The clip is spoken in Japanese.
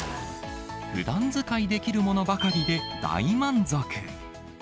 ふだん使いできるものばかりで大満足。